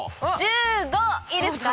１５いいですか？